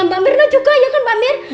mbak mirna juga ya kan mbak mir